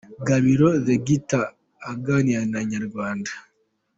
Gabiro The Guitar aganira na Inyarwanda.